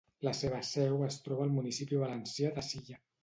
La seva seu es troba al municipi valencià de Silla.